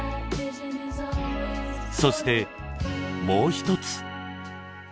そしてもう一つ。